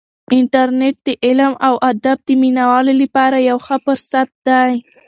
انټرنیټ د علم او ادب د مینه والو لپاره یو ښه فرصت دی.